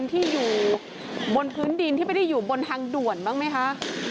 ที่อยู่บนพื้นดินที่ไม่ได้อยู่บนทางด่วนบ้างไหมคะ